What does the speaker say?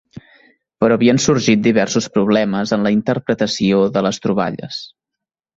Però havien sorgit diversos problemes en la interpretació de les troballes.